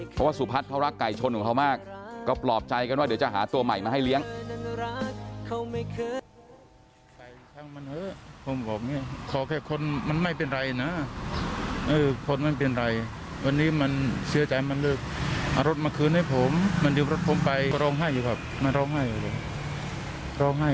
เพราะว่าสุพัฒน์เขารักไก่ชนของเขามากก็ปลอบใจกันว่าเดี๋ยวจะหาตัวใหม่มาให้เลี้ยง